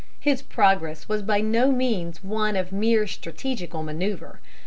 His progress was by no means one of mere strategical manoeuver.